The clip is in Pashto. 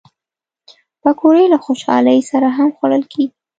پکورې له خوشحالۍ سره هم خوړل کېږي